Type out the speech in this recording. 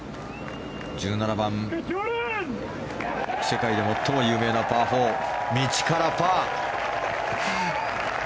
１７番世界で最も有名なパー４道からパー。